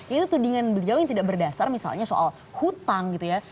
itu tudingan beliau yang tidak berdasar misalnya soal hutang gitu ya